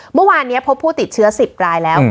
เมื่อวานนี้พบผู้ติดเชื้อ๑๐รายแล้ว